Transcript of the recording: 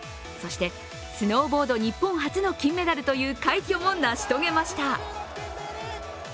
そして、スノーボード日本初の金メダルという快挙もなし遂げました。